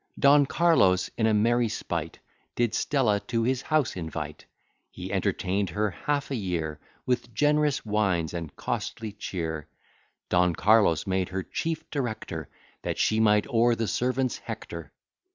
Don Carlos, in a merry spight, Did Stella to his house invite: He entertain'd her half a year With generous wines and costly cheer. Don Carlos made her chief director, That she might o'er the servants hector.